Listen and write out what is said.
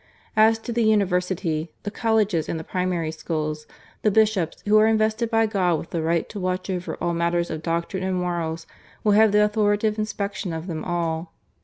As to the University, the colleges and the primary schools, the Bishops, who are invested by God with the right to watch over all matters of doctrine and morals, will have the authoritative inspection of them all.